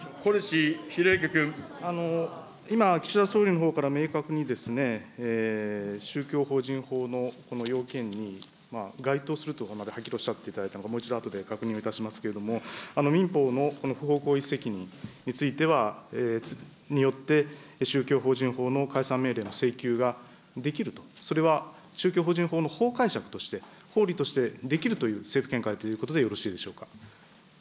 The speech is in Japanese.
今、岸田総理のほうから明確に、宗教法人法の要件に該当するとはっきりおっしゃっていただいたのか、もう一度あとで確認をいたしますけれども、民法の不法行為責任については、によって、宗教法人法の解散命令の請求ができると、それは宗教法人法の法解釈として、法理としてできるという政府見解ということでよろしいでしょうか。